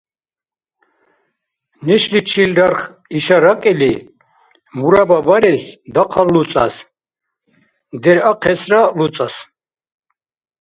Нешличил рарх иша ракӀили, мурабба барес дахъал луцӀас. Деръахъесра луцӀас.